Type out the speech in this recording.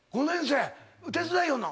手伝いよんの？